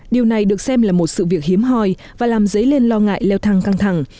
điều này được xem là một sự việc hiếm hoi và làm dấy lên lo ngại leo thăng căng thẳng